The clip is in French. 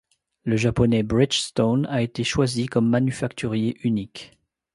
Le japonais Bridgestone a été choisi comme manufacturier unique.